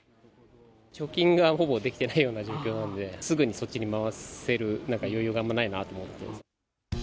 貯金がほぼできていないような状況なので、すぐにそっちに回せる余裕があんまないと思ってます。